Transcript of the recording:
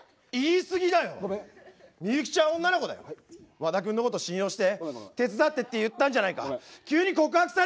和田君のこと信用して手伝ってって言ったんじゃないか。